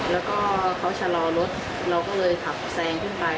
แล้วก็เขาชะลอรถเราก็เลยขับแซงขึ้นไป